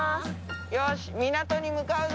よし港に向かうぞ。